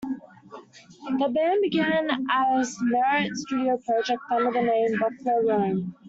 The band began as Merritt's studio project under the name Buffalo Rome.